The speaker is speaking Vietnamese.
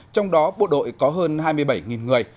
trong đó bộ đội có hơn hai mươi bảy người